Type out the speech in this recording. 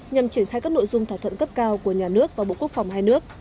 nhằm triển khai các nội dung thỏa thuận cấp cao của nhà nước và bộ quốc phòng hai nước